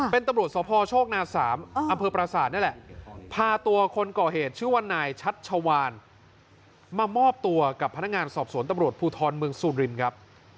พระพัชชาวาลมามอบตัวกับพนักงานศอบศวนตำรวจภูทรเมืองสุรินทร์ครับ